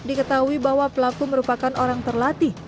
diketahui bahwa pelaku merupakan orang terlatih